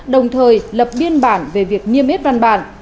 đồng thời lập biên bản về việc niêm yết văn bản